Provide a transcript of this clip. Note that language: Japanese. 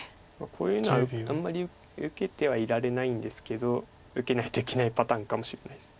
こういうのはあんまり受けてはいられないんですけど受けないといけないパターンかもしれないです。